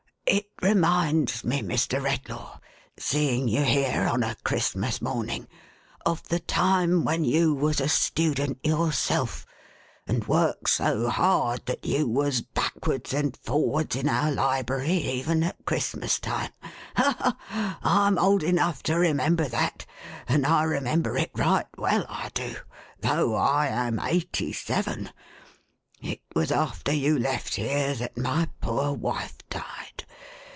It reminds me, Mr. Redlaw, seeing you here on a Christinas morning, of the time when you was a student yourself, and worked so hard that you was backwards and forwards in our Library even at Christmas time. Ha ! ha ! Fm old enough to remember that ; and I remember it right well, I do, though I am eighty seven. It was after you left here that my poor wife died.